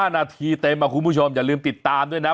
นาทีเต็มคุณผู้ชมอย่าลืมติดตามด้วยนะ